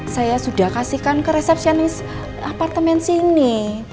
saya sudah kasihkan ke resepsionis apartemen sini